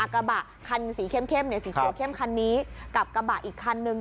กระบะคันสีเข้มสีเขียวเข้มคันนี้กับกระบะอีกคันนึง